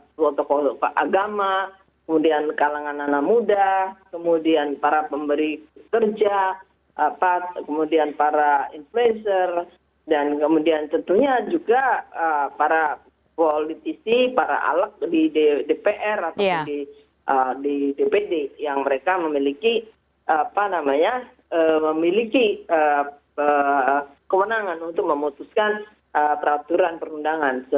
tokoh tokoh agama kemudian kalangan anak muda kemudian para pemberi kerja kemudian para influencer dan kemudian tentunya juga para politisi para alat di dpr atau di dpd yang mereka memiliki kewenangan untuk memutuskan peraturan perundangan